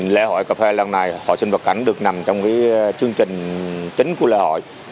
lễ hội cà phê lần này họ sinh vật cảnh được nằm trong chương trình chính của lễ hội